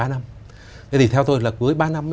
ba năm thế thì theo tôi là cuối ba năm ấy